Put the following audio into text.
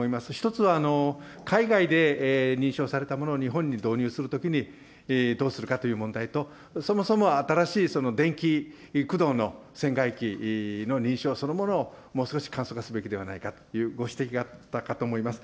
１つは海外で認証されたものを日本に導入するときに、どうするかという問題と、そもそも新しい電気駆動の船外機の認証そのものをもう少し簡素化すべきではないかというご指摘があったかと思います。